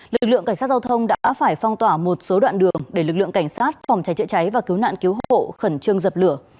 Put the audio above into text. lực lượng cảnh sát giao thông đã phải phong tỏa một số đoạn đường để lực lượng cảnh sát phòng cháy chữa cháy và cứu nạn cứu hộ khẩn trương dập lửa